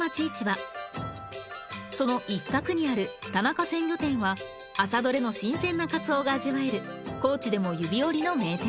その一角にある田中鮮魚店は朝どれの新鮮な鰹が味わえる高知でも指折りの名店です